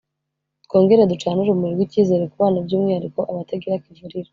twongere ducane urumuri rw’icyizere ku bana by’umwihariko abatagira kivurira